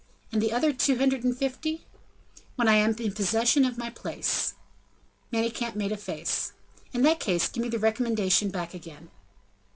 "And the other two hundred and fifty?" "When I am in possession of my place." Manicamp made a face. "In that case give me the recommendation back again."